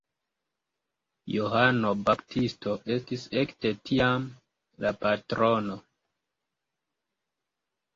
Johano Baptisto estis ekde tiam la patrono.